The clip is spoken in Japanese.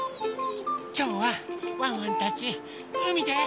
きょうはワンワンたちうみで。